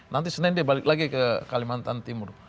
nanti senin dia balik lagi ke kalimantan timur